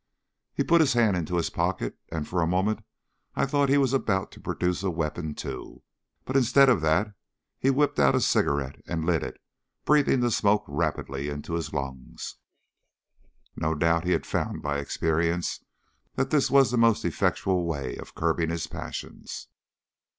He put his hand into his pocket, and for a moment I thought he was about to produce a weapon too, but instead of that he whipped out a cigarette and lit it, breathing the smoke rapidly into his lungs. No doubt he had found by experience that this was the most effectual way of curbing his passions.